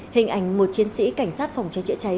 hình ảnh một chiến sĩ cảnh sát phòng cháy chữa cháy